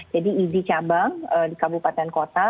jadi ibi cabang di kabupaten kota